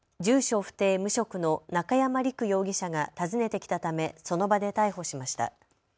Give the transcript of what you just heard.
不定無職の中山陸容疑者が訪ねてきたため、その場で逮捕しました。